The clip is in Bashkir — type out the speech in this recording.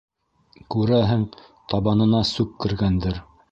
Күрәһең, табанына сүп кергәндер.